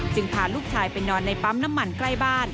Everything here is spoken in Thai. พาลูกชายไปนอนในปั๊มน้ำมันใกล้บ้าน